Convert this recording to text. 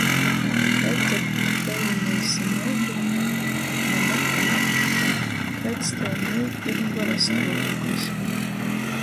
Kai tod tu peļneisi naudu?" "Nu moka!" Kaids tev niu ir gorastuovūklis?